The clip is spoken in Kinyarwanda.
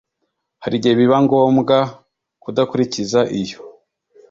hari igihe biba ngombwa kudakurikiza iyo